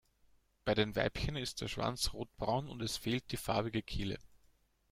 Bei den Weibchen ist der Schwanz rotbraun und es fehlt die farbige Kehle.